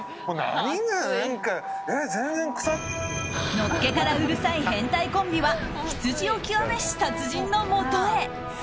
のっけからうるさい変態コンビは羊を極めし達人の元へ。